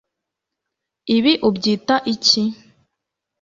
ibi ubyita iki